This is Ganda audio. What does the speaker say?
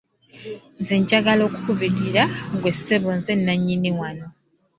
Nze njagala okukubulira ggwe ssebo nze nanyini wanno.